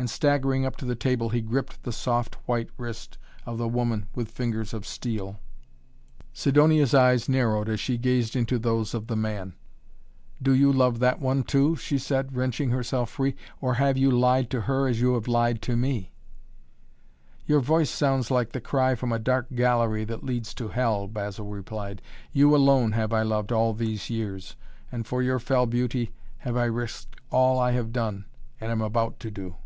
And staggering up to the table he gripped the soft white wrist of the woman with fingers of steel. Sidonia's eyes narrowed as she gazed into those of the man. "Do you love that one, too?" she said, wrenching herself free. "Or have you lied to her as you have lied to me?" "Your voice sounds like the cry from a dark gallery that leads to Hell," Basil replied. "You, alone, have I loved all these years, and for your fell beauty have I risked all I have done and am about to do!"